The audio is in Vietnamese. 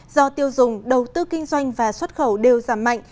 do tiêu dùng đầu tư kinh doanh và xuất khẩu đều giảm mạnh